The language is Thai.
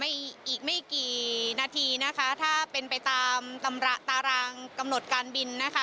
อีกไม่กี่นาทีนะคะถ้าเป็นไปตามตำราตารางกำหนดการบินนะคะ